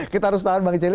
kita harus tahan bang celi